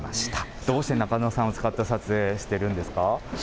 どうしてナカノさんを使って撮影してるんですか。